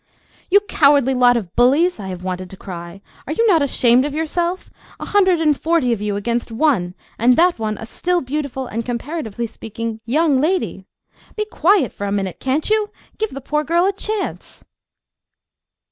"You cowardly lot of bullies," I have wanted to cry, "are you not ashamed of yourselves? A hundred and forty of you against one, and that one a still beautiful and, comparatively speaking, young lady. Be quiet for a minute—can't you? Give the poor girl a chance."